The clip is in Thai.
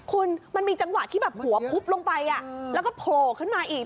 คุณมันมีจังหวะที่แบบหัวพุบลงไปแล้วก็โผล่ขึ้นมาอีก